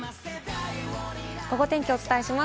ゴゴ天気をお伝えします。